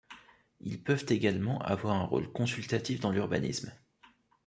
Ils peuvent également avoir un rôle consultatif dans l'urbanisme.